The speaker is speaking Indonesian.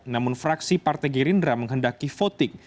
namun fraksi partai gerindra menghendaki voting